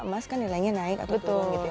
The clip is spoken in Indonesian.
emas kan nilainya naik atau turun gitu ya